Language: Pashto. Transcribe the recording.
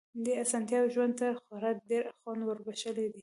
دې اسانتياوو ژوند ته خورا ډېر خوند وربښلی دی.